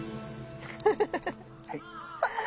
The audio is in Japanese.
はい。